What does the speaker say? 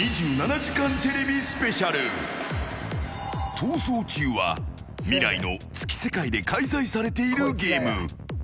「逃走中」は未来の月世界で開催されているゲーム。